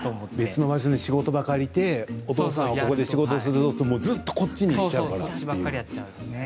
別の場所に仕事場、借りてお父さんはここで仕事をするぞとすると、もうずっとこっちに行っちゃうから。